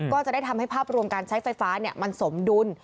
ก็จะได้ทำให้ภาพรวมการใช้ไฟฟ้ามันสมดุล